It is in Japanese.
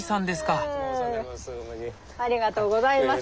ありがとうございます。